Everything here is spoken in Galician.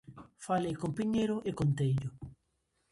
Falei con Piñeiro e conteillo.